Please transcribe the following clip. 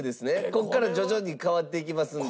ここから徐々に変わっていきますんで。